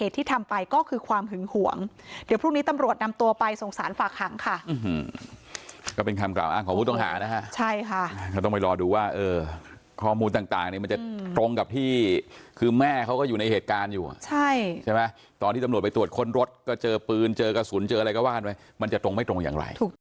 อืมหืมก็เป็นคำกล่าวขอบู๋ต้องหานะครับใช่ค่ะต้องไปรอดูว่าเออข้อมูลต่างมันจะตรงกับที่คือแม่เขาก็อยู่ในเหตุการณ์อยู่ใช่ใช่ไหมตอนที่ตำรวจไปตรวจคนรถก็เจอปืนเจอกระสุนเจออะไรก็ว่าไหมมันจะตรงไม่ตรงอย่างไรถูก